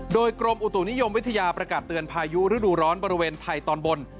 โดยกรมอุตุนิยมวิทยาประกาศเตือนพายุฤดูร้อนบริเวณไทยตอนบน